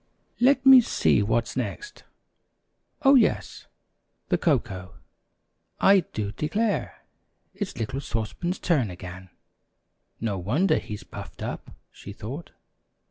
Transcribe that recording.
"Let me see what's next. Oh, yes, the cocoa. I do declare, it's little Sauce Pan's turn again. No wonder he's puffed up," she thought.